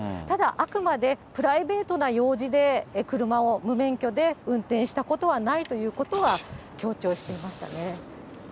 ただ、あくまでプライベートな用事で、車を無免許で運転したことはないということは強調していましたね。